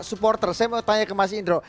supporter saya mau tanya ke mas indro